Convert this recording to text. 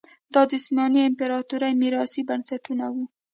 دا د عثماني امپراتورۍ میراثي بنسټونه وو.